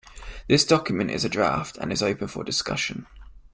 This document is a draft, and is open for discussion